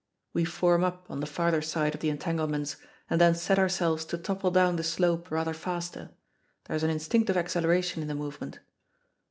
We form up on the farther side of the entanglements and then set ourselves to topple down the slope rather faster there is an instinctive acceleration in the movement.